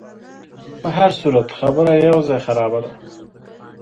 په هرصورت خبره یو ځای خرابه ده.